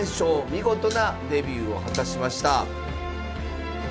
見事なデビューを果たしました。